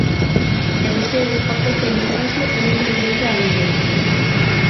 E vostedes optan polo negocio e non polo dereito á vivenda.